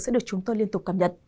sẽ được chúng tôi liên tục cập nhật